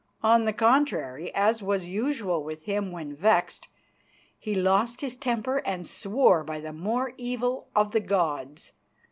On the contrary, as was usual with him when vexed, he lost his temper and swore by the more evil of the gods.